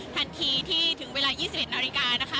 ทันทีที่ถึงเวลา๒๑นาฬิกานะคะ